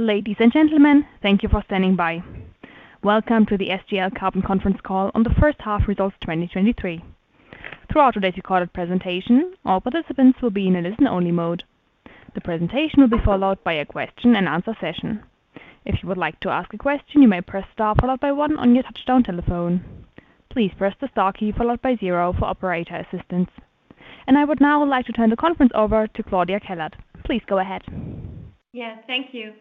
Ladies and gentlemen, thank you for standing by. Welcome to the SGL Carbon conference call on the first half results of 2023. Throughout today's recorded presentation, all participants will be in a listen-only mode. The presentation will be followed by a question and answer session. If you would like to ask a question, you may press star followed by one on your touchtone telephone. Please press the star key followed by zero for operator assistance. I would now like to turn the conference over to Claudia Keller. Please go ahead. Yes, thank you.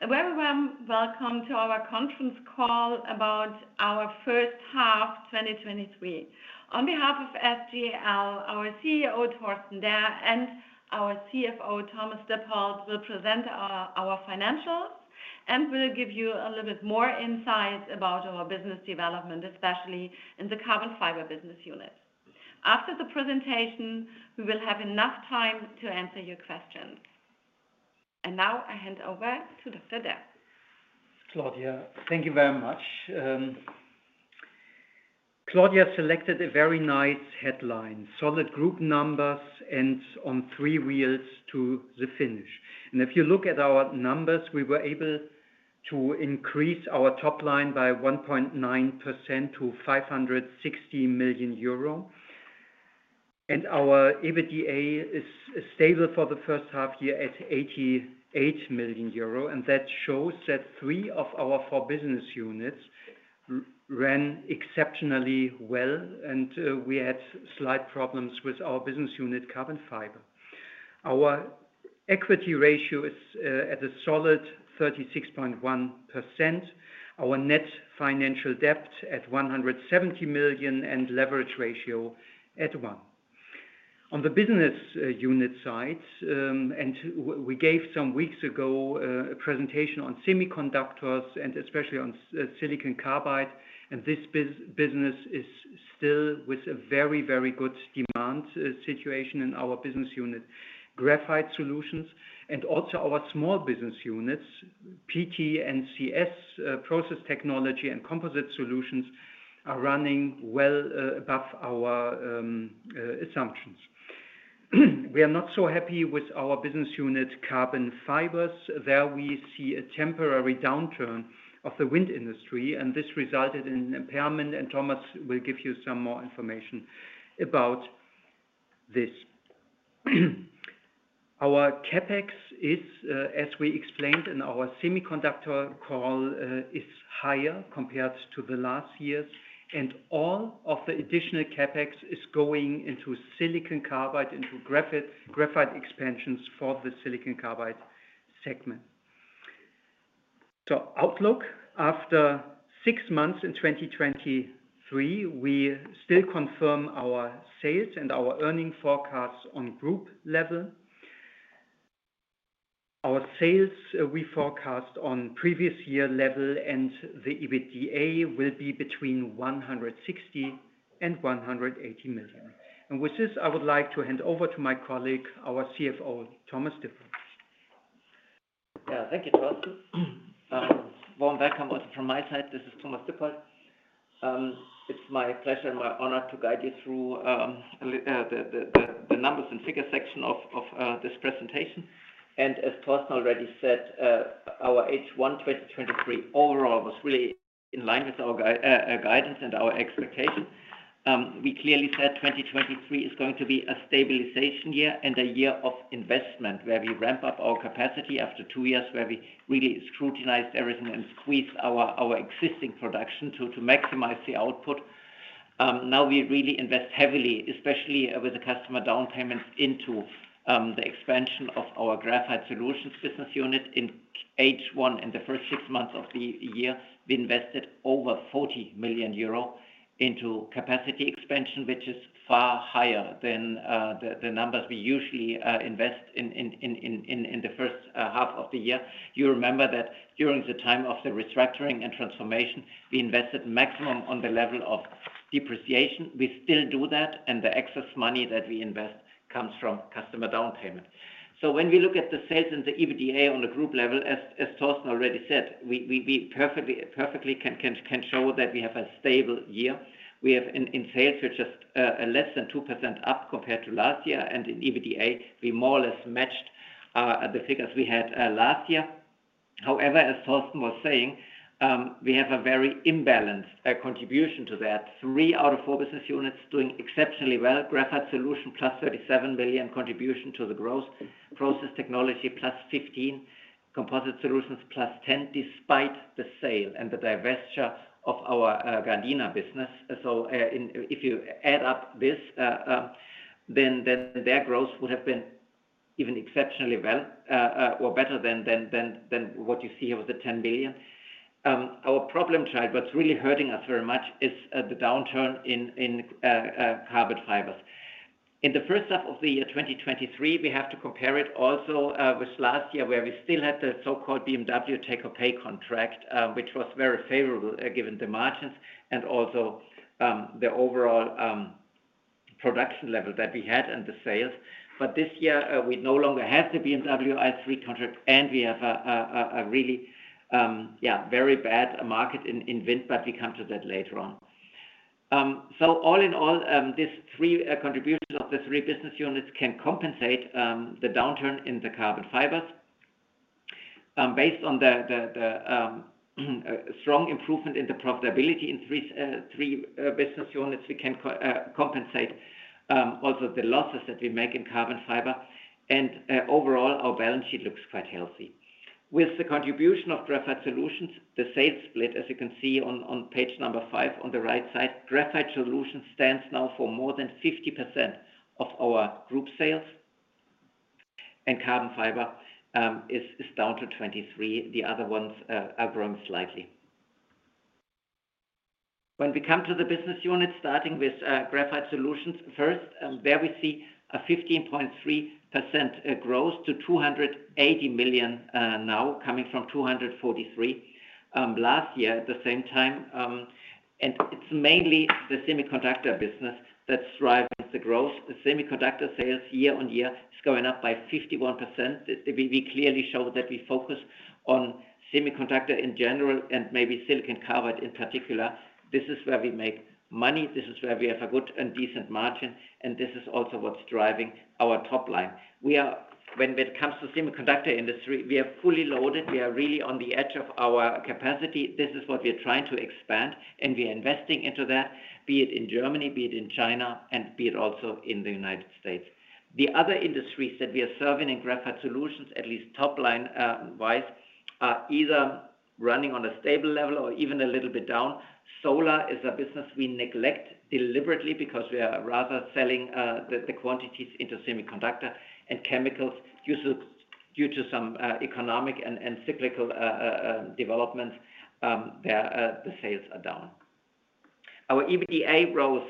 A very warm welcome to our conference call about our first half 2023. On behalf of SGL, our CEO, Torsten Derr, and our CFO, Thomas Dippold, will present our financials, and will give you a little bit more insight about our business development, especially in the Carbon Fibers business unit. After the presentation, we will have enough time to answer your questions. Now I hand over to Dr. Derr. Claudia, thank you very much. Claudia selected a very nice headline, Solid Group Numbers and On Three Wheels to the Finish. If you look at our numbers, we were able to increase our top line by 1.9% to EUR 560 million, and our EBITDA is stable for the first half year at 88 million euro. That shows that three of our four business units ran exceptionally well, and we had slight problems with our business unit, Carbon Fibers. Our equity ratio is at a solid 36.1%, our net financial debt at 170 million, and leverage ratio at one. On the business unit side, we gave some weeks ago a presentation on semiconductors and especially on silicon carbide, and this business is still with a very, very good demand situation in our business unit, Graphite Solutions, and also our small business units, PT and CS, Process Technology and Composite Solutions, are running well above our assumptions. We are not so happy with our business unit, Carbon Fibers. There we see a temporary downturn of the wind industry, and this resulted in impairment, and Thomas will give you some more information about this. Our CapEx is as we explained in our semiconductor call, is higher compared to the last years, and all of the additional CapEx is going into silicon carbide, into graphite expansions for the silicon carbide segment. Outlook. After 6 months in 2023, we still confirm our sales and our earnings forecasts on group level. Our sales, we forecast on previous year level. The EBITDA will be between 160 million and 180 million. With this, I would like to hand over to my colleague, our CFO, Thomas Dippold. Yeah. Thank you, Torsten. Warm welcome also from my side. This is Thomas Dippold. It's my pleasure and my honor to guide you through the numbers and figures section of this presentation. As Torsten already said, our H1 2023 overall was really in line with our guidance and our expectation. We clearly said 2023 is going to be a stabilization year and a year of investment, where we ramp up our capacity after two years, where we really scrutinized everything and squeezed our existing production to maximize the output. Now we really invest heavily, especially with the customer down payments into the expansion of our Graphite Solutions business unit. In H1, in the first six months of the year, we invested over 40 million euro into capacity expansion, which is far higher than the numbers we usually invest in the first half of the year. You remember that during the time of the restructuring and transformation, we invested maximum on the level of depreciation. We still do that. The excess money that we invest comes from customer down payment. When we look at the sales and the EBITDA on the group level, as Torsten already said, we perfectly can show that we have a stable year. We have in sales, which is less than 2% up compared to last year. In EBITDA, we more or less matched the figures we had last year. However, as Torsten was saying, we have a very imbalanced contribution to that. Three out of four business units doing exceptionally well. Graphite Solutions, plus 37 billion contribution to the growth. Process Technology, plus 15. Composite Solutions, plus 10, despite the sale and the divestiture of our Gardena. If you add up this, then their growth would have been even exceptionally well or better than what you see here with the 10 billion. Our problem child, what's really hurting us very much, is the downturn in Carbon Fibers. In the first half of the year, 2023, we have to compare it also, with last year, where we still had the so-called BMW take-or-pay contract, which was very favorable, given the margins and also, the overall, production level that we had and the sales. This year, we no longer have the BMW i3 contract, and we have a, a, a, a really, yeah, very bad market in wind, but we come to that later on. All in all, these three, contributions of the three business units can compensate, the downturn in the carbon fibers. Based on the strong improvement in the profitability in three business units, we can compensate, also the losses that we make in carbon fiber. Overall, our balance sheet looks quite healthy. With the contribution of Graphite Solutions, the sales split, as you can see on page 5, on the right side, Graphite Solutions stands now for more than 50% of our group sales, and carbon fiber is down to 23. The other ones are growing slightly. When we come to the business units, starting with Graphite Solutions first, where we see a 15.3% growth to 280 million now, coming from 243 last year at the same time. It's mainly the semiconductor business that's driving the growth. The semiconductor sales year-over-year is going up by 51%. We clearly show that we focus on semiconductor in general and maybe silicon carbide in particular. This is where we make money. This is where we have a good and decent margin, this is also what's driving our top line. When it comes to semiconductor industry, we are fully loaded. We are really on the edge of our capacity. This is what we are trying to expand, we are investing into that, be it in Germany, be it in China, and be it also in the United States. The other industries that we are serving in Graphite Solutions, at least top line wise, are either running on a stable level or even a little bit down. Solar is a business we neglect deliberately because we are rather selling the, the quantities into semiconductor and chemicals due to, due to some economic and cyclical developments, there the sales are down. Our EBITDA growth,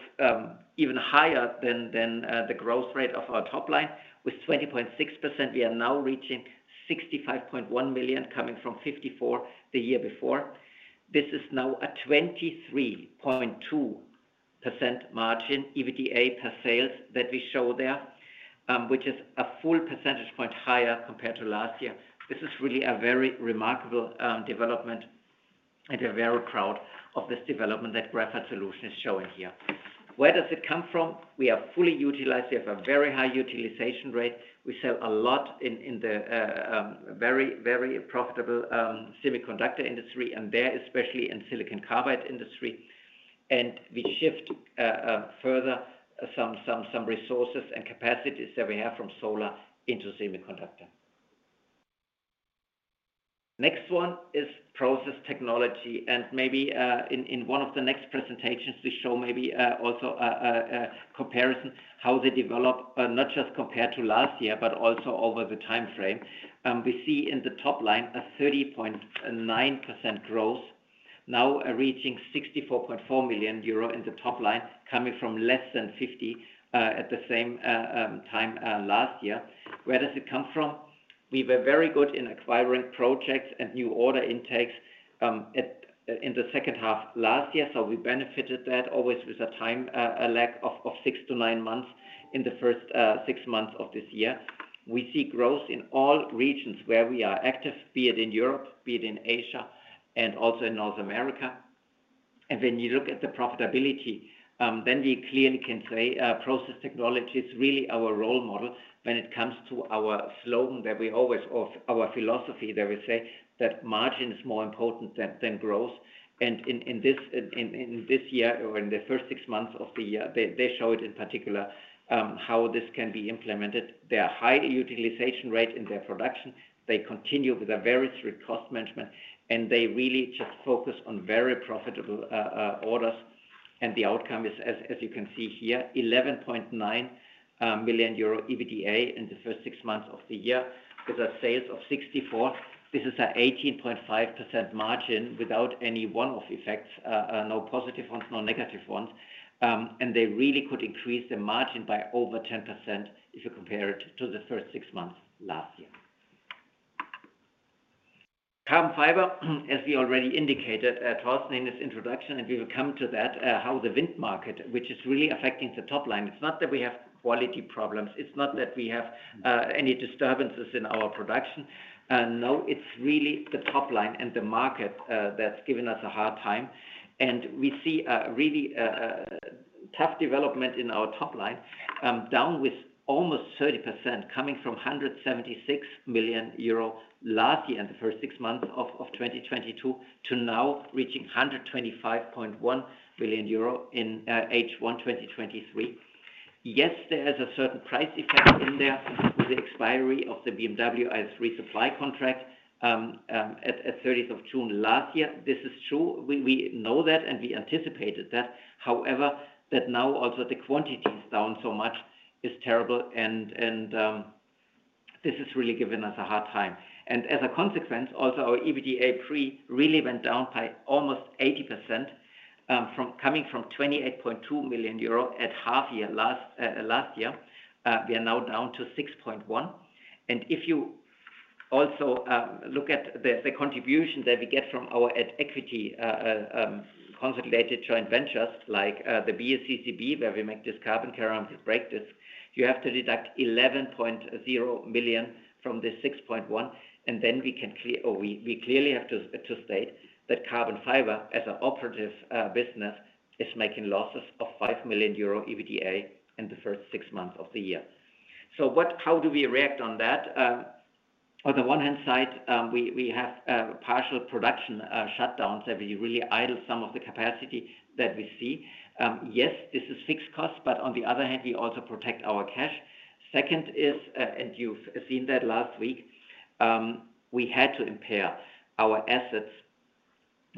even higher than, than the growth rate of our top line. With 20.6%, we are now reaching 65.1 million, coming from 54 million the year before. This is now a 23.2% margin, EBITDA per sales that we show there, which is a full percentage point higher compared to last year. This is really a very remarkable development, and we're very proud of this development that Graphite Solutions is showing here. Where does it come from? We are fully utilized. We have a very high utilization rate. We sell a lot in, in the very, very profitable semiconductor industry, and there, especially in silicon carbide industry. We shift further some resources and capacities that we have from solar into semiconductor. Next one is Process Technology. Maybe, in one of the next presentations, we show maybe also a comparison, how they develop, not just compared to last year, but also over the time frame. We see in the top line a 30.9% growth, now reaching 64.4 million euro in the top line, coming from less than 50 million at the same time last year. Where does it come from? We were very good in acquiring projects and new order intakes in the second half last year, so we benefited that always with a time lack of 6-9 months in the first 6 months of this year. We see growth in all regions where we are active, be it in Europe, be it in Asia, and also in North America. When you look at the profitability, then we clearly can say, Process Technology is really our role model when it comes to our slogan, of our philosophy, that we say that margin is more important than growth. In this year or in the first six months of the year, they show it in particular, how this can be implemented. There are high utilization rate in their production. They continue with a very strict cost management, and they really just focus on very profitable orders. The outcome is, as, as you can see here, 11.9 million euro EBITDA in the first 6 months of the year, with a sales of 64. This is an 18.5% margin without any one-off effects, no positive ones, no negative ones. They really could increase the margin by over 10% if you compare it to the first 6 months last year. Carbon fiber, as we already indicated, Torsten, in his introduction, and we will come to that, how the wind market, which is really affecting the top line. It's not that we have quality problems, it's not that we have any disturbances in our production. No, it's really the top line and the market that's giving us a hard time. We see a really tough development in our top line, down with almost 30%, coming from 176 million euro last year, in the first six months of 2022, to now reaching 125.1 billion euro in H1 2023. Yes, there is a certain price effect in there with the expiry of the BMW i3 supply contract, at 30th of June last year. This is true. We know that, and we anticipated that. However, that now also the quantity is down so much is terrible, this has really given us a hard time. As a consequence, also, our EBITDA pre really went down by almost 80%, coming from 28.2 million euro at half year last year. We are now down to 6.1. If you also look at the contribution that we get from our at-equity consolidated joint ventures, like the BSCCB, where we make this carbon-ceramic brake disc, you have to deduct 11.0 million from the 6.1, and then we clearly have to state that carbon fiber, as an operative business, is making losses of 5 million euro EBITDA in the first six months of the year. How do we react on that? On the one hand side, we have partial production shutdowns that we really idle some of the capacity that we see. Yes, this is fixed cost, on the other hand, we also protect our cash. Second is, you've seen that last week, we had to impair our assets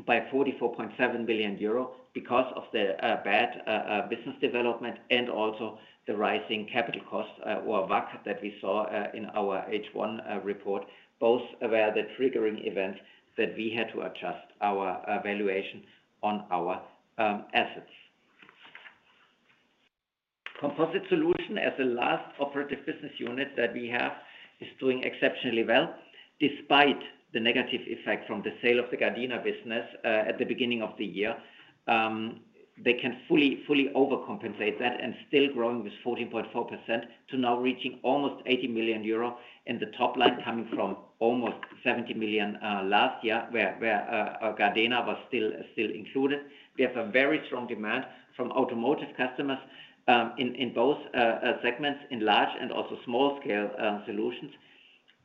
by 44.7 billion euro because of the bad business development and also the rising capital costs or WACC that we saw in our H1 report. Both were the triggering events that we had to adjust our valuation on our assets. Composite Solutions, as the last operative business unit that we have, is doing exceptionally well, despite the negative effect from the sale of the Gardena business at the beginning of the year. They can fully, fully overcompensate that and still growing with 14.4% to now reaching almost 80 million euro, and the top line coming from almost 70 million last year, where, where Gardena was still, still included. We have a very strong demand from automotive customers in both segments, in large and also small-scale solutions.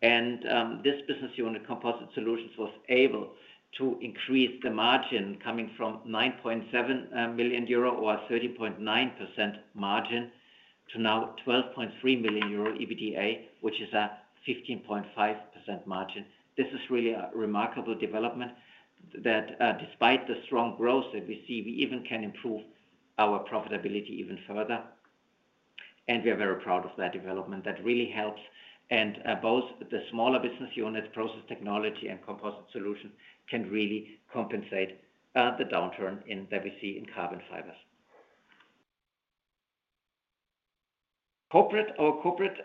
This business unit, Composite Solutions, was able to increase the margin coming from 9.7 million euro or 13.9% margin, to now 12.3 million euro EBITDA, which is a 15.5% margin. This is really a remarkable development that, despite the strong growth that we see, we even can improve our profitability even further, and we are very proud of that development. That really helps, both the smaller business units, Process Technology and Composite Solutions, can really compensate the downturn that we see in Carbon Fibers. Corporate. Our corporate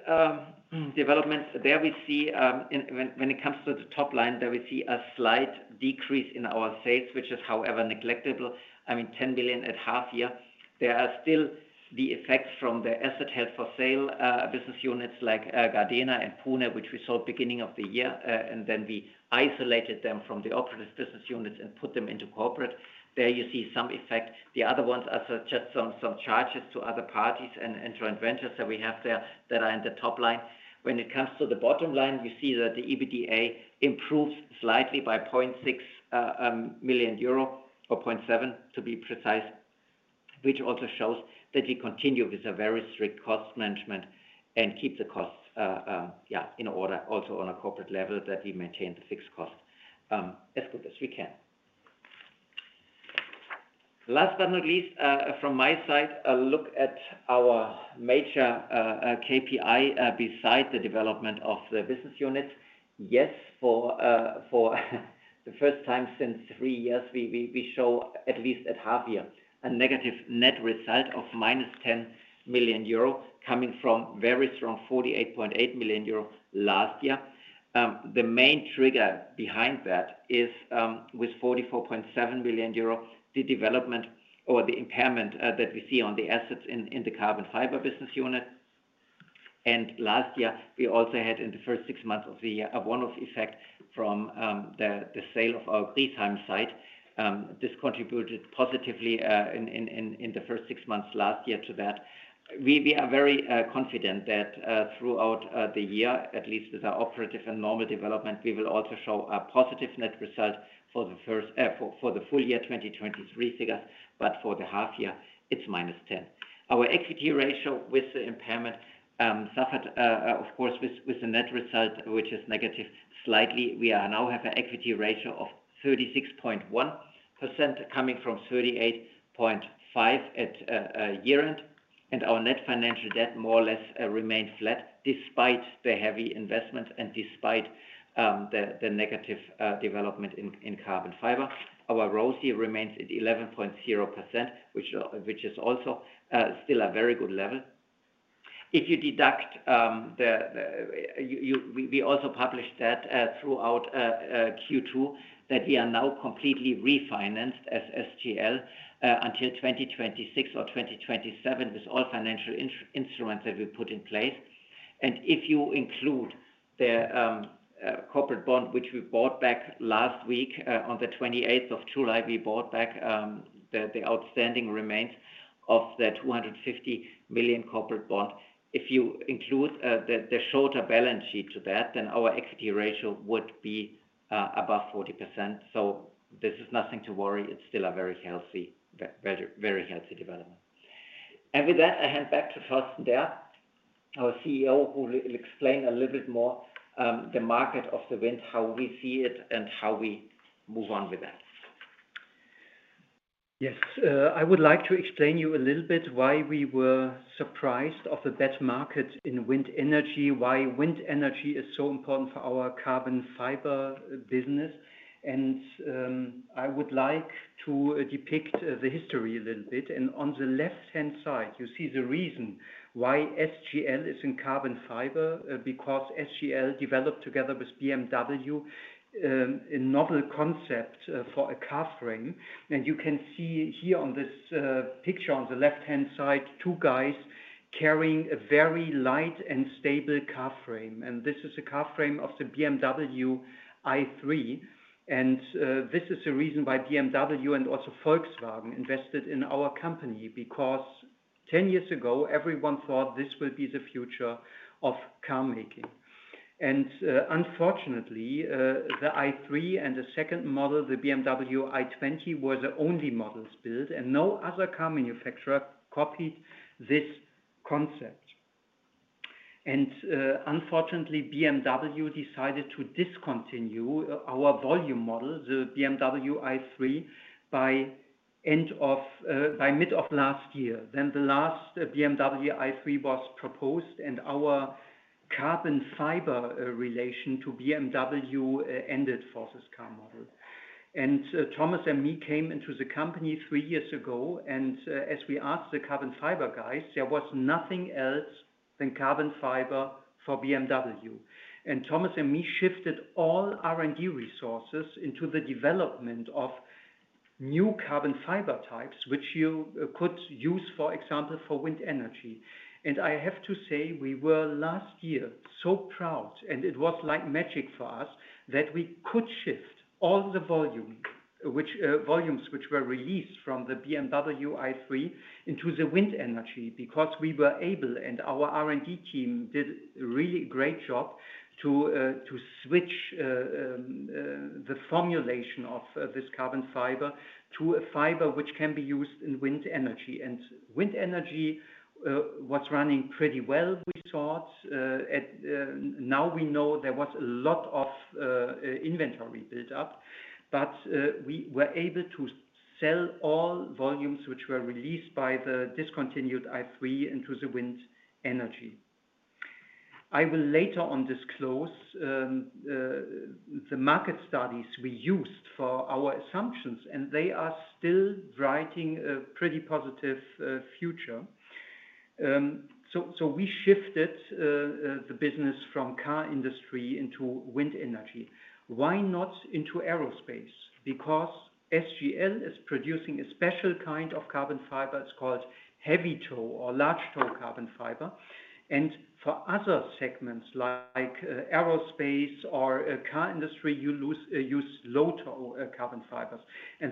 developments, there we see, when it comes to the top line, there we see a slight decrease in our sales, which is, however, neglectable. I mean, 10 billion at half year. There are still the effects from the asset held for sale business units like Gardena and Pune, which we saw beginning of the year, and then we isolated them from the operative business units and put them into corporate. There you see some effect. The other ones are just some, some charges to other parties and joint ventures that we have there that are in the top line. When it comes to the bottom line, we see that the EBITDA improves slightly by 0.6 million euro, or 0.7 million, to be precise, which also shows that we continue with a very strict cost management and keep the costs, yeah, in order, also on a corporate level, that we maintain the fixed cost as good as we can. Last but not least from my side, a look at our major KPI beside the development of the business unit. Yes, for the first time since three years, we, we, we show, at least at half year, a negative net result of minus 10 million euro, coming from very strong 48.8 million euro last year. The main trigger behind that is, with 44.7 billion euro, the development or the impairment that we see on the assets in the Carbon Fibers business unit. Last year, we also had, in the first 6 months of the year, a one-off effect from the sale of our Griesheim site. This contributed positively in the first 6 months last year to that. We are very confident that throughout the year, at least with our operative and normal development, we will also show a positive net result for the full year 2023 figures, but for the half year, it's -10. Our equity ratio with the impairment suffered, of course, with the net result, which is negative slightly. We are now have an equity ratio of 36.1%, coming from 38.5 at year-end. Our net financial debt more or less remains flat, despite the heavy investment and despite the negative development in carbon fiber. Our growth here remains at 11.0%, which is also still a very good level. If you deduct, we also published that throughout Q2, that we are now completely refinanced as SGL until 2026 or 2027, with all financial instruments that we put in place. If you include the corporate bond, which we bought back last week, on the 28th of July, we bought back the outstanding remains of the 250 million corporate bond. If you include the shorter balance sheet to that, then our equity ratio would be above 40%. This is nothing to worry. It's still a very healthy, very, very healthy development. With that, I hand back to Torsten Derr, our CEO, who will explain a little bit more the market of the wind, how we see it, and how we move on with that. Yes. I would like to explain you a little bit why we were surprised of the bad market in wind energy, why wind energy is so important for our carbon fiber business, I would like to depict the history a little bit. On the left-hand side, you see the reason why SGL is in carbon fiber, because SGL developed together with BMW, a novel concept for a car frame. You can see here on this picture on the left-hand side, two guys carrying a very light and stable car frame, and this is a car frame of the BMW i3, this is the reason why BMW and also Volkswagen invested in our company, because 10 years ago, everyone thought this will be the future of car making. Unfortunately, the BMW i3 and the second model, the BMW i8, were the only models built, and no other car manufacturer copied this concept. Unfortunately, BMW decided to discontinue our volume model, the BMW i3, by mid of last year. The last BMW i3 was proposed, and our carbon fiber relation to BMW ended for this car model. Thomas and me came into the company three years ago, and as we asked the carbon fiber guys, there was nothing else than carbon fiber for BMW. Thomas and me shifted all R&D resources into the development of new carbon fiber types, which you could use, for example, for wind energy. I have to say, we were last year so proud, and it was like magic for us, that we could shift all the volume, which volumes which were released from the BMW i3 into the wind energy, because we were able, and our R&D team did a really great job to switch the formulation of this carbon fiber to a fiber which can be used in wind energy. Wind energy was running pretty well, we thought. Now we know there was a lot of inventory built up, but we were able to sell all volumes which were released by the discontinued i3 into the wind energy. I will later on disclose the market studies we used for our assumptions, and they are still writing a pretty positive future. We shifted the business from car industry into wind energy. Why not into aerospace? Because SGL is producing a special kind of carbon fiber. It's called heavy tow or large tow carbon fiber. For other segments like aerospace or a car industry, you lose use low tow carbon fibers.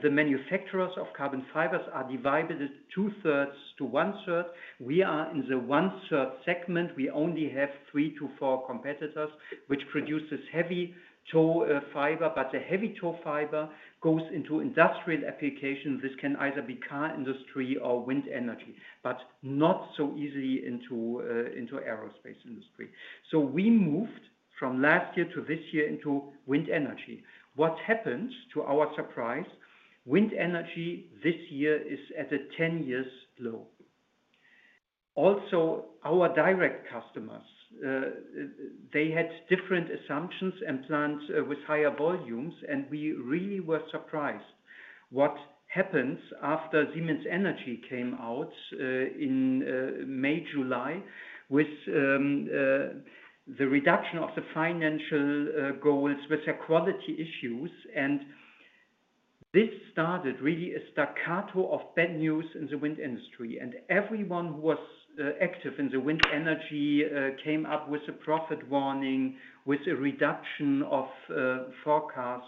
The manufacturers of carbon fibers are divided as 2/3 to 1/3. We are in the 1/3 segment. We only have 3-4 competitors, which produces heavy tow fiber, but the heavy tow fiber goes into industrial applications. This can either be car industry or wind energy, but not so easily into aerospace industry. We moved from last year to this year into wind energy. What happens, to our surprise, wind energy this year is at a 10-year low. Also, our direct customers, they had different assumptions and plans, with higher volumes, and we really were surprised. What happens after Siemens Energy came out in May, July, with the reduction of the financial goals with their quality issues, and this started really a staccato of bad news in the wind industry, and everyone who was active in the wind energy came up with a profit warning, with a reduction of forecast,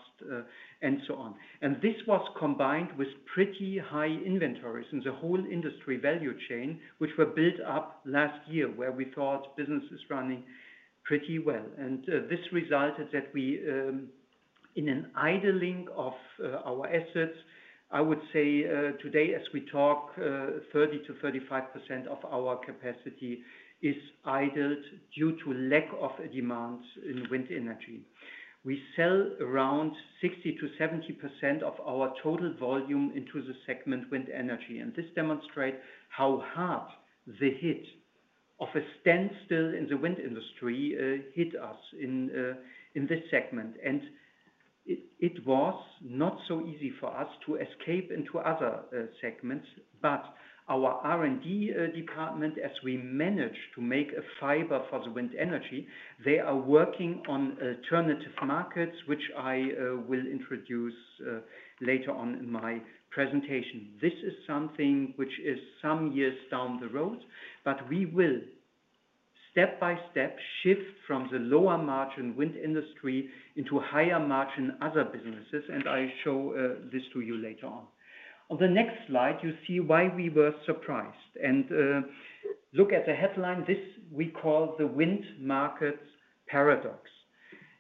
and so on. This was combined with pretty high inventories in the whole industry value chain, which were built up last year, where we thought business is running pretty well. This resulted that we, in an idling of our assets, I would say, today, as we talk, 30%-35% of our capacity is idled due to lack of demand in wind energy. We sell around 60%-70% of our total volume into the segment wind energy, and this demonstrate how hard the hit of a standstill in the wind industry hit us in this segment. It, it was not so easy for us to escape into other segments, but our R&D department, as we managed to make a fiber for the wind energy, they are working on alternative markets, which I will introduce later on in my presentation. This is something which is some years down the road, but we will step by step, shift from the lower margin wind industry into higher margin other businesses, and I show this to you later on. On the next slide, you see why we were surprised. Look at the headline. This we call the wind market paradox.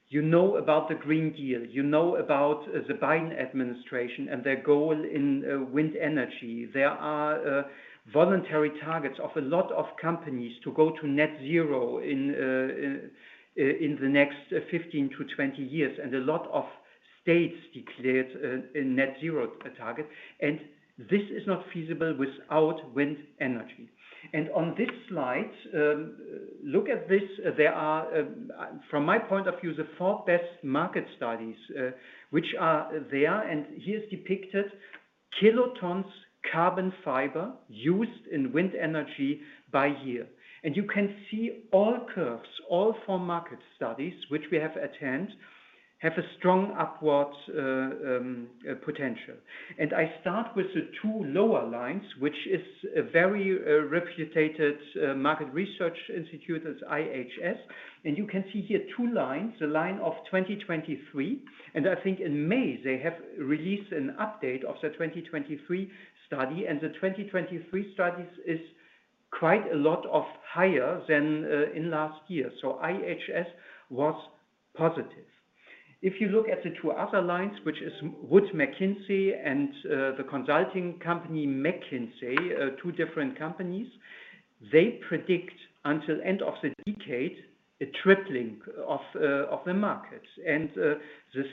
You know about the Green Deal, you know about the Biden administration and their goal in wind energy. There are voluntary targets of a lot of companies to go to net zero in the next 15 to 20 years, and a lot of states declared a net zero target, and this is not feasible without wind energy. On this slide, look at this. There are, from my point of view, the four best market studies, which are there. Here is depicted kilotons carbon fiber used in wind energy by year. You can see all curves, all four market studies, which we have attend, have a strong upwards potential. I start with the two lower lines, which is a very reputable market research institute as IHS. You can see here two lines, the line of 2023, and I think in May, they have released an update of the 2023 study, and the 2023 studies is quite a lot of higher than in last year. IHS was positive. If you look at the 2 other lines, which is Wood Mackenzie and the consulting company, McKinsey, 2 different companies, they predict until end of the decade, a tripling of the market. The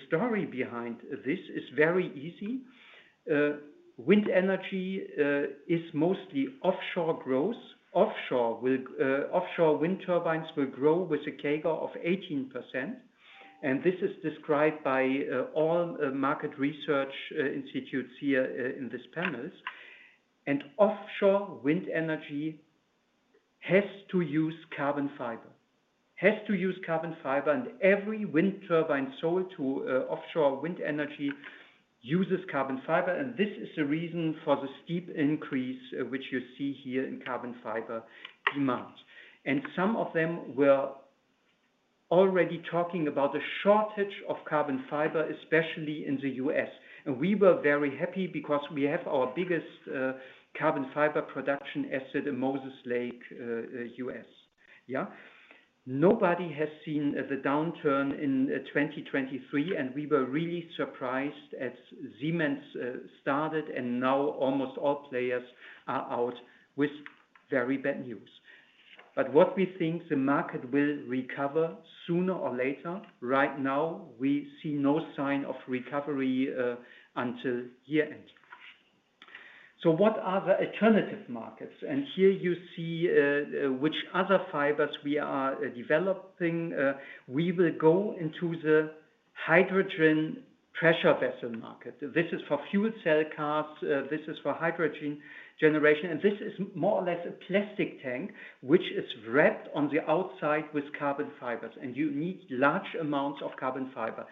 story behind this is very easy. Wind energy is mostly offshore growth. Offshore will offshore wind turbines will grow with a CAGR of 18%, and this is described by all market research institutes here in this panels. Offshore wind energy has to use carbon fiber. Has to use carbon fiber, and every wind turbine sold to offshore wind energy uses carbon fiber, and this is the reason for the steep increase which you see here in carbon fiber demand. Some of them were already talking about the shortage of carbon fiber, especially in the U.S. We were very happy because we have our biggest carbon fiber production asset in Moses Lake, U.S. Yeah. Nobody has seen the downturn in 2023, and we were really surprised as Siemens started, and now almost all players are out with very bad news. What we think the market will recover sooner or later. Right now, we see no sign of recovery until year-end. What are the alternative markets? Here you see which other fibers we are developing. We will go into the hydrogen pressure vessel market. This is for fuel cell cars, this is for hydrogen generation, and this is more or less a plastic tank, which is wrapped on the outside with carbon fibers, and you need large amounts of carbon fiber.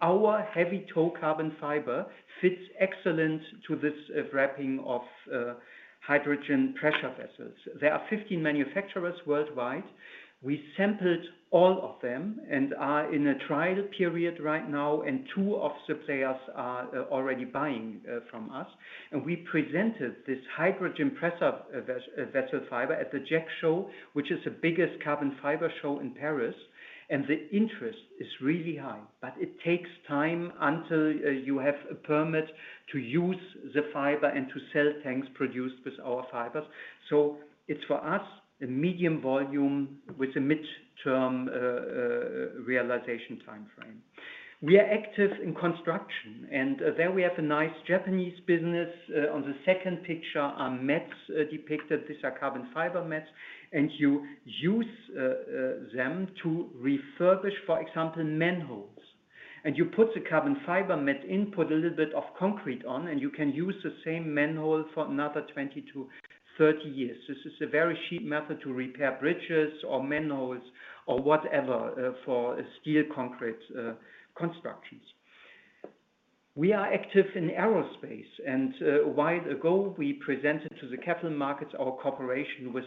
Our heavy tow carbon fiber fits excellent to this wrapping of hydrogen pressure vessels. There are 15 manufacturers worldwide. We sampled all of them and are in a trial period right now, and 2 of the players are already buying from us. We presented this hydrogen pressure vessel fiber at the JEC Show, which is the biggest carbon fiber show in Paris, and the interest is really high. It takes time until you have a permit to use the fiber and to sell tanks produced with our fibers. It's, for us, a medium volume with a mid-term realization time frame. We are active in construction, and there we have a nice Japanese business. On the second picture are mats depicted. These are carbon fiber mats. You use them to refurbish, for example, manholes. You put the carbon fiber mat in, put a little bit of concrete on, and you can use the same manhole for another 20-30 years. This is a very cheap method to repair bridges or manholes or whatever for steel concrete constructions. We are active in aerospace. A while ago, we presented to the capital markets our cooperation with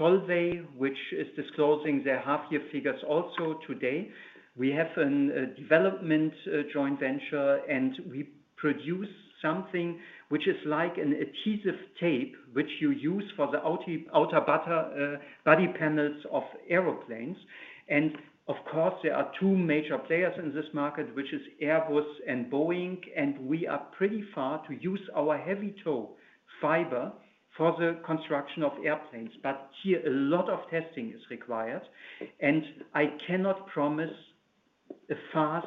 Solvay, which is disclosing their half-year figures also today. We have an development joint venture, and we produce something which is like an adhesive tape, which you use for the outer body panels of airplanes. Of course, there are two major players in this market, which is Airbus and Boeing, and we are pretty far to use our heavy tow fiber for the construction of airplanes. Here, a lot of testing is required, and I cannot promise a fast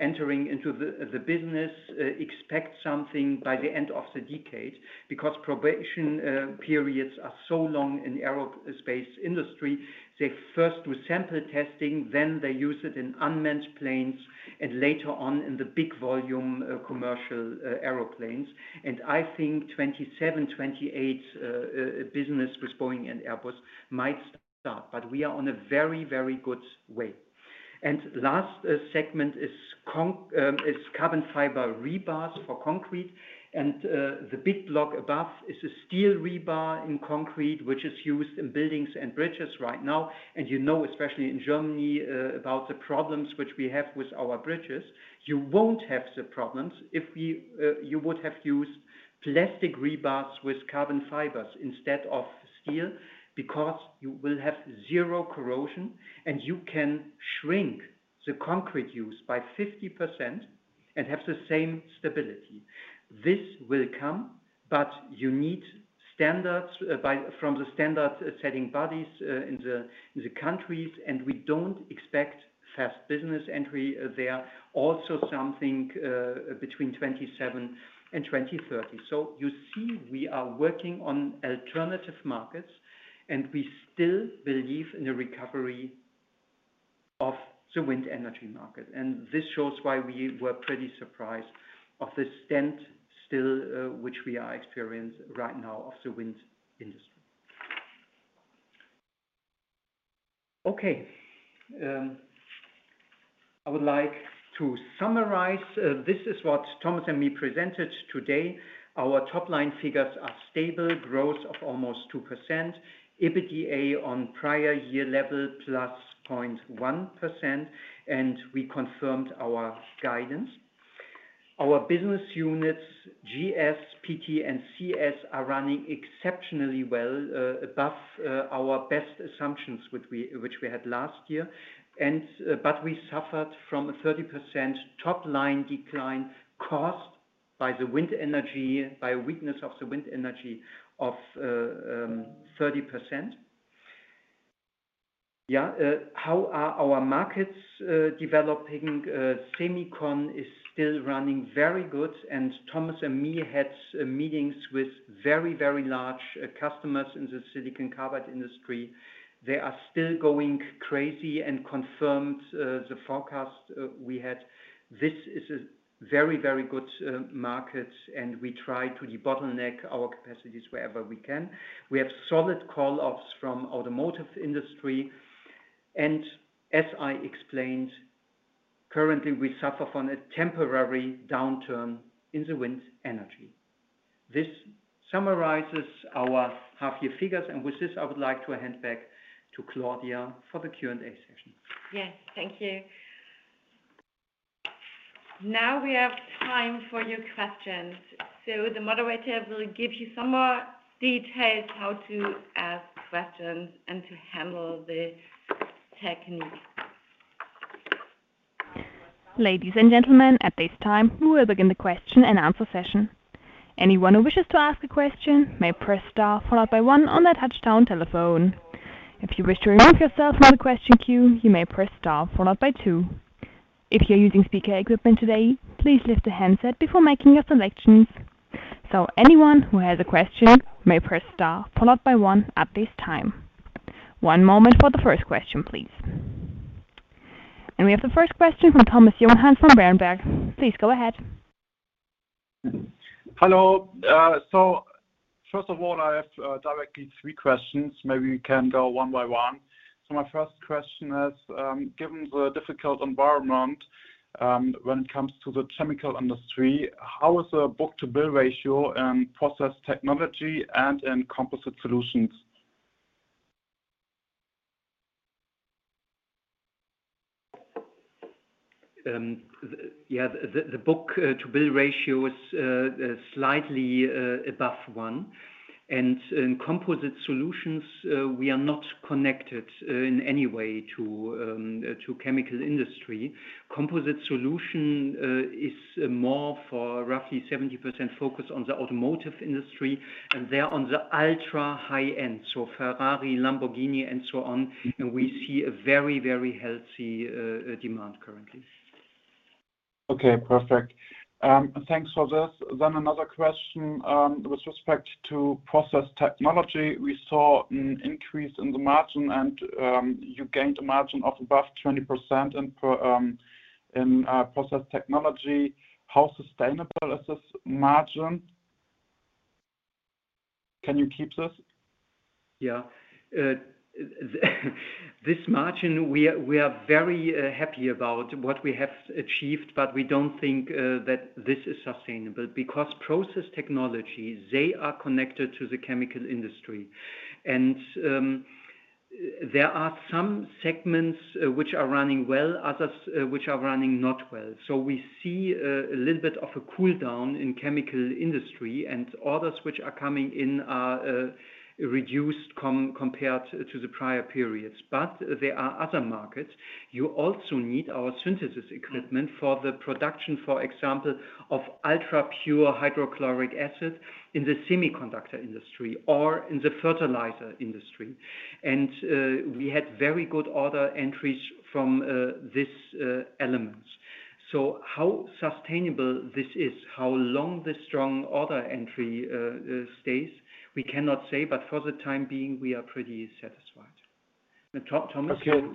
entering into the business. Expect something by the end of the decade, because probation periods are so long in aerospace industry. They first do sample testing, then they use it in unmanned planes, and later on in the big volume commercial airplanes. I think 2027, 2028 business with Boeing and Airbus might start, but we are on a very, very good way. Last segment is carbon-fiber rebars for concrete, the big block above is a steel rebar in concrete, which is used in buildings and bridges right now. You know, especially in Germany, about the problems which we have with our bridges. You won't have the problems if we, you would have used plastic rebars with carbon fibers instead of steel, because you will have 0 corrosion, and you can shrink the concrete use by 50% and have the same stability. This will come, but you need standards from the standard-setting bodies in the countries, and we don't expect fast business entry there. Also, something, between 2027 and 2030. You see, we are working on alternative markets, and we still believe in the recovery of the wind energy market. This shows why we were pretty surprised of the standstill, which we are experienced right now of the wind industry. Okay, I would like to summarize. This is what Thomas and me presented today. Our top-line figures are stable, growth of almost 2%, EBITDA on prior year level, plus 0.1%, and we confirmed our guidance. Our business units, GS, PT, and CS, are running exceptionally well, above our best assumptions which we, which we had last year. We suffered from a 30% top line decline caused by the wind energy, by weakness of the wind energy of 30%. Yeah, how are our markets developing? Semicon is still running very good, and Thomas and me had meetings with very, very large customers in the silicon carbide industry. They are still going crazy and confirmed the forecast we had. This is a very, very good market, and we try to debottleneck our capacities wherever we can. We have solid call-offs from automotive industry, and as I explained, currently, we suffer from a temporary downturn in the wind energy. This summarizes our half-year figures, and with this, I would like to hand back to Claudia for the Q&A session. Yes, thank you. Now we have time for your questions. The moderator will give you some more details how to ask questions and to handle the technique. Ladies and gentlemen, at this time, we will begin the question and answer session. Anyone who wishes to ask a question may press star followed by one on their touch-tone telephone. If you wish to remove yourself from the question queue, you may press star followed by two. If you're using speaker equipment today, please lift the handset before making your selections. Anyone who has a question may press star followed by one at this time. One moment for the first question, please. We have the first question from Thomas Jahn from Berenberg. Please go ahead. Hello. First of all, I have directly 3 questions. Maybe we can go one by one. My first question is, given the difficult environment, when it comes to the chemical industry, how is the book-to-bill ratio in Process Technology and in Composite Solutions? Yeah, the book to bill ratio is slightly above one. In Composite Solutions, we are not connected in any way to chemical industry. Composite Solutions is more for roughly 70% focused on the automotive industry, and they are on the ultra-high end, so Ferrari, Lamborghini, and so on, and we see a very, very healthy demand currently. Okay, perfect. Thanks for this. Another question with respect to Process Technology. We saw an increase in the margin, and you gained a margin of above 20% in Process Technology. How sustainable is this margin? Can you keep this? Yeah. This margin, we are, we are very happy about what we have achieved, but we don't think that this is sustainable because process technologies, they are connected to the chemical industry. There are some segments which are running well, others which are running not well. We see a little bit of a cool down in chemical industry, and others which are coming in are reduced compared to the prior periods. There are other markets. You also need our synthesis equipment for the production, for example, of ultra-pure hydrochloric acid in the semiconductor industry or in the fertilizer industry. We had very good order entries from this elements. How sustainable this is, how long this strong order entry stays, we cannot say, but for the time being, we are pretty satisfied. Thomas? Okay.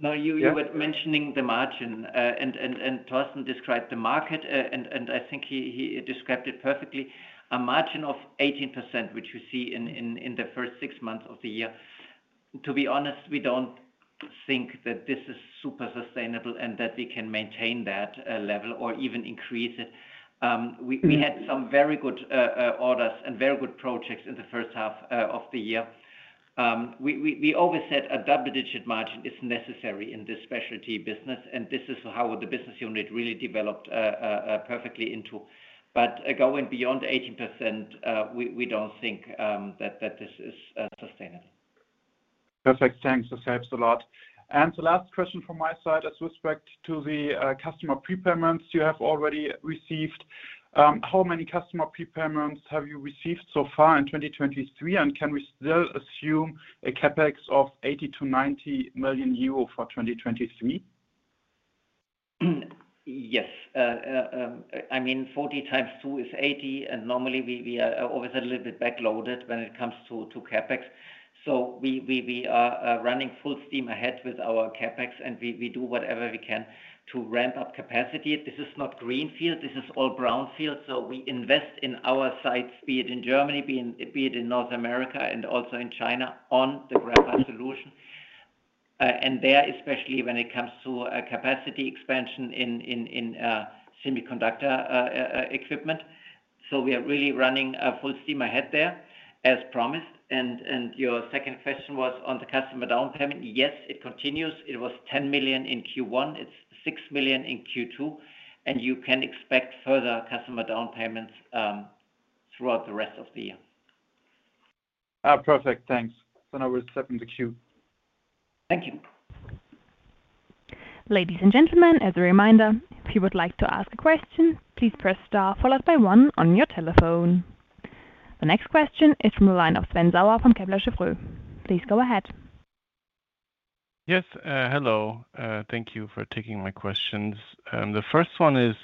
Now. Yeah... you were mentioning the margin, and, and, and Torsten described the market, and, and I think he, he described it perfectly. A margin of 18%, which you see in, in, in the first 6 months of the year, to be honest, we don't think that this is super sustainable and that we can maintain that, level or even increase it. we- Mm-hmm... we had some very good orders and very good projects in the first half of the year. We always said a double-digit margin is necessary in this specialty business, and this is how the business unit really developed perfectly into. Going beyond 18%, we don't think that this is sustainable. Perfect. Thanks. This helps a lot. The last question from my side is with respect to the customer prepayments you have already received. How many customer prepayments have you received so far in 2023, and can we still assume a CapEx of 80 million-90 million euro for 2023? Yes. I mean, 40 times 2 is 80, and normally, we, we are always a little bit backloaded when it comes to, to CapEx. We, we, we are running full steam ahead with our CapEx, and we, we do whatever we can to ramp up capacity. This is not greenfield, this is all brownfield. We invest in our sites, be it in Germany, be it in North America, and also in China, on the Graphite Solutions. There, especially when it comes to a capacity expansion in semiconductor equipment. We are really running full steam ahead there as promised. Your second question was on the customer down payment. Yes, it continues. It was 10 million in Q1, it's 6 million in Q2, and you can expect further customer down payments, throughout the rest of the year. Perfect. Thanks. Now we're stepping the queue. Thank you. Ladies and gentlemen, as a reminder, if you would like to ask a question, please press Star, followed by 1 on your telephone. The next question is from the line of Sven Sauer from Kepler Cheuvreux. Please go ahead. Yes, hello. Thank you for taking my questions. The first one is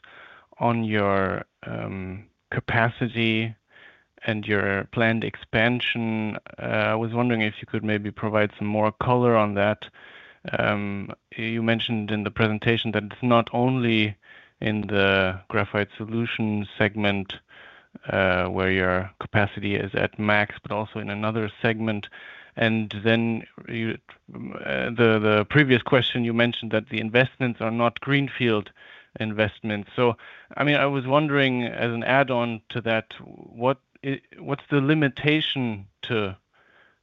on your capacity and your planned expansion. I was wondering if you could maybe provide some more color on that. You mentioned in the presentation that it's not only in the Graphite Solutions segment, where your capacity is at max, but also in another segment. Then you the previous question, you mentioned that the investments are not greenfield investments. I mean, I was wondering as an add-on to that, what what's the limitation to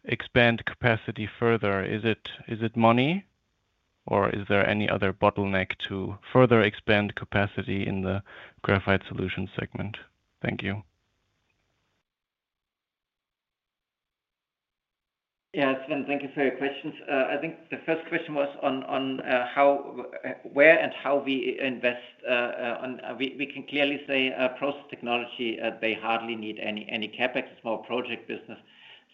expand capacity further? Is it, is it money, or is there any other bottleneck to further expand capacity in the Graphite Solutions segment? Thank you. Yes, Sven, thank you for your questions. I think the first question was on, on how, where and how we invest. We can clearly say, Process Technology, they hardly need any, any CapEx. It's more project business,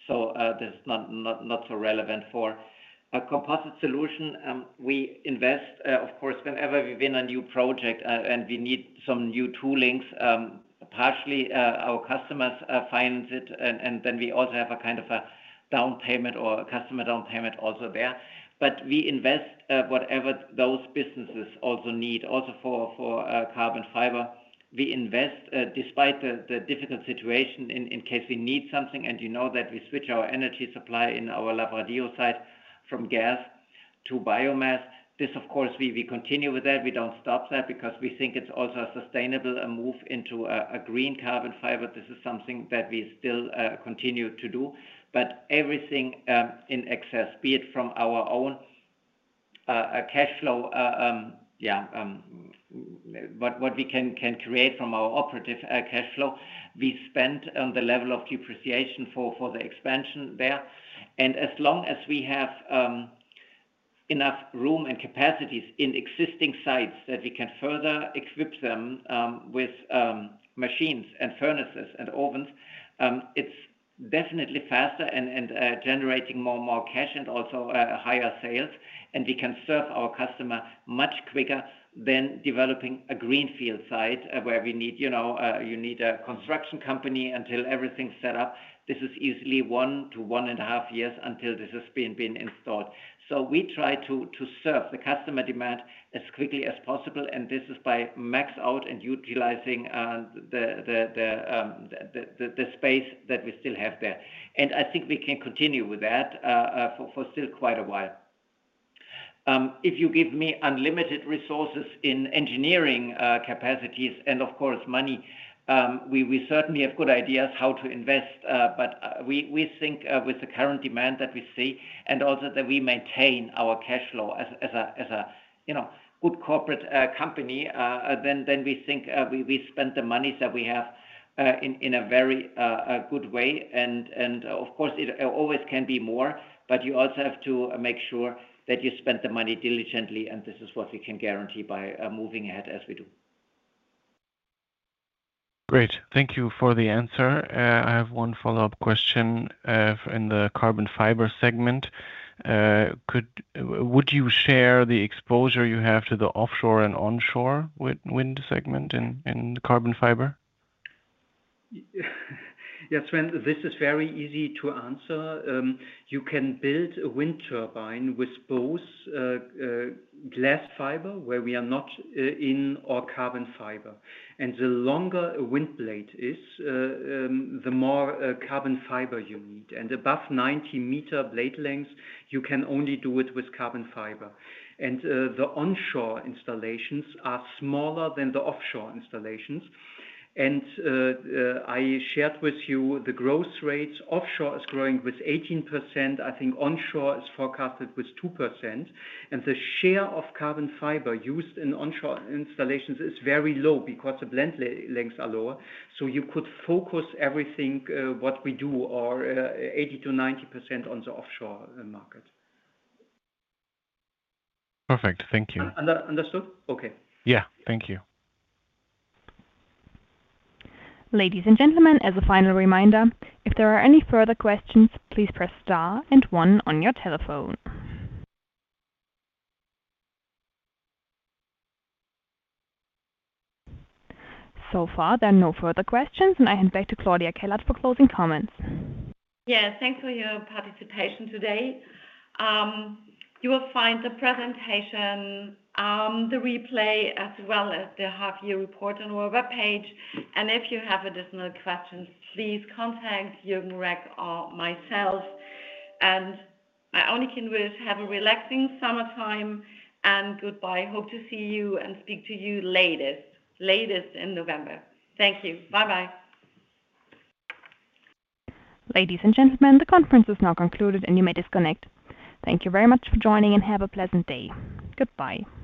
so this is not, not, not so relevant for. A Composite Solutions, we invest, of course, whenever we win a new project, and we need some new toolings. Partially, our customers finance it, and then we also have a kind of a down payment or a customer down payment also there. We invest whatever those businesses also need also for, for carbon fiber. We invest, despite the, the difficult situation in, in case we need something, and you know that we switch our energy supply in our Lavradio site from gas to biomass. This, of course, we, we continue with that. We don't stop that because we think it's also a sustainable move into a green carbon fiber. This is something that we still continue to do. Everything in excess, be it from our own cash flow, yeah, what, what we can, can create from our operative cash flow, we spend on the level of depreciation for, for the expansion there. As long as we have enough room and capacities in existing sites that we can further equip them with machines and furnaces and ovens, it's definitely faster and generating more and more cash and also higher sales. We can serve our customer much quicker than developing a greenfield site, where we need, you know, you need a construction company until everything's set up. This is easily 1 to 1.5 years until this has been installed. We try to serve the customer demand as quickly as possible, and this is by max out and utilizing the space that we still have there. I think we can continue with that for still quite a while. If you give me unlimited resources in engineering, capacities and, of course, money, we, we certainly have good ideas how to invest, but, we, we think, with the current demand that we see, and also that we maintain our cash flow as, as a, as a, you know, good corporate, company, then, then we think, we, we spend the money that we have, in, in a very, a good way. Of course, it, always can be more, but you also have to make sure that you spend the money diligently, and this is what we can guarantee by, moving ahead as we do. Great. Thank you for the answer. I have one follow-up question in the Carbon Fibers segment. Would you share the exposure you have to the offshore and onshore wind segment in Carbon Fibers? Yes, Sven, this is very easy to answer. You can build a wind turbine with both glass fiber, where we are not in, or carbon fiber. The longer a wind blade is, the more carbon fiber you need. Above 90-meter blade lengths, you can only do it with carbon fiber. The onshore installations are smaller than the offshore installations. I shared with you the growth rates. Offshore is growing with 18%. I think onshore is forecasted with 2%, and the share of carbon fiber used in onshore installations is very low because the blade lengths are lower. You could focus everything what we do or 80%-90% on the offshore market. Perfect. Thank you. understood? Okay. Yeah. Thank you. Ladies and gentlemen, as a final reminder, if there are any further questions, please press Star and one on your telephone. Far, there are no further questions, and I hand back to Claudia Keller for closing comments. Yeah, thanks for your participation today. You will find the presentation, the replay, as well as the half-year report on our web page. If you have additional questions, please contact Jürgen Köhler or myself. I only can wish, have a relaxing summertime, and goodbye. Hope to see you and speak to you latest, latest in November. Thank you. Bye-bye. Ladies and gentlemen, the conference is now concluded, and you may disconnect. Thank you very much for joining and have a pleasant day. Goodbye.